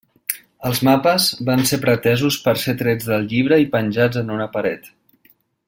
Els mapes van ser pretesos per ser trets del llibre i penjats en una paret.